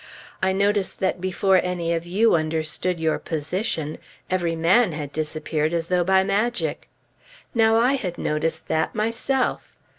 "I noticed that before any of you understood your position, every man had disappeared as though by magic." Now I had noticed that myself.